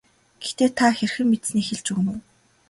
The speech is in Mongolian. Гэхдээ та хэрхэн мэдсэнээ хэлж өгнө үү.